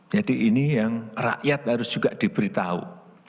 jadi ini yang rakyat harus juga diberitahu